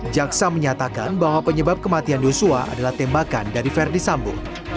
jaksa menyatakan bahwa penyebab kematian yosua adalah tembakan dari verdi sambo